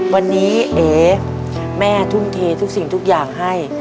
วันนี้เอแม่ทุ่มเททุกสิ่งทุกอย่างให้